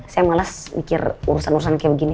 saya malas mikir urusan urusan kayak begini